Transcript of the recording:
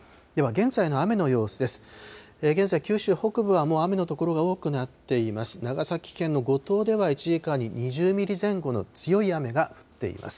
現在、九州北部はもう雨の所が多くなっています。